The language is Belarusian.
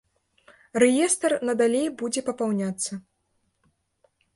Рэестр надалей будзе папаўняцца.